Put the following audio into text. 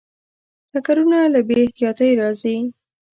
ټکرونه له بې احتیاطۍ راځي.